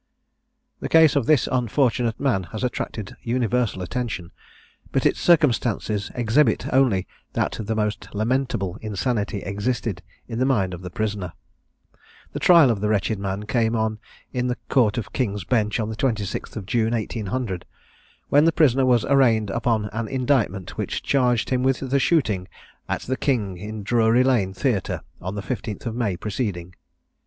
The case of this unfortunate man has attracted universal attention, but its circumstances exhibit only that the most lamentable insanity existed in the mind of the prisoner. The trial of the wretched man came on in the Court of King's Bench, on the 26th June, 1800, when the prisoner was arraigned upon an indictment, which charged him with shooting at the King in Drury Lane Theatre on the 15th May preceding.